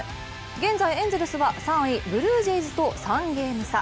現在、エンゼルスは３位ブルージェイズと３ゲーム差。